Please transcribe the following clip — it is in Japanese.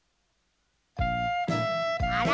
あら？